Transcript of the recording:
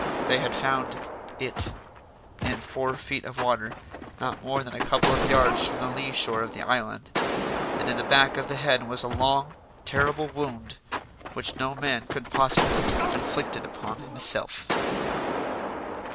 They had found "it" in four feet of water not more than a couple of yards from the lee shore of the island. And in the back of the head was a long, terrible wound which no man could possibly have inflicted upon himself.